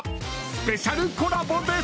スペシャルコラボです。